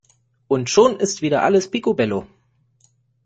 Und schon ist wieder alles picobello!